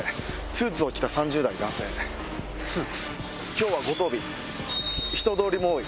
今日は五十日人通りも多い。